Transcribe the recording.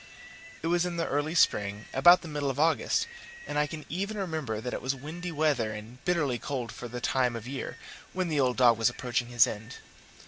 It was in the early spring, about the middle of August, and I can even remember that it was windy weather and bitterly cold for the time of year, when the old dog was approaching his end.